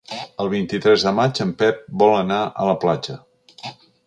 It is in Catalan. El vint-i-tres de maig en Pep vol anar a la platja.